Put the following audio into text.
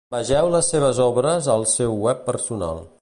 Vegeu les seves obres al seu Web personal.